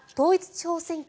地方選挙